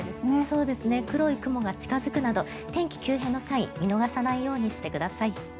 そうですね黒い雲が近付くなど天気急変のサインを見逃さないようにしてください。